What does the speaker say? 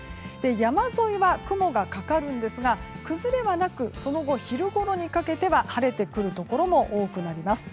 山沿いは、雲がかかるんですが崩れはなくその後、昼ごろにかけては晴れてくるところも多くなります。